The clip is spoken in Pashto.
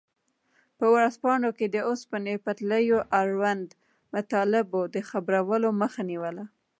په ورځپاڼو کې د اوسپنې پټلیو اړوند مطالبو د خپرولو مخه نیوله.